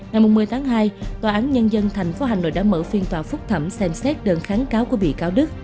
ngày một mươi tháng hai tòa án nhân dân tp hà nội đã mở phiên tòa phúc thẩm xem xét đơn kháng cáo của bị cáo đức